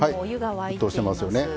沸騰してますよね。